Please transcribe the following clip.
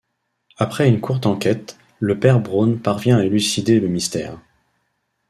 Après une courte enquête, le père Brown parvient à élucider le mystère.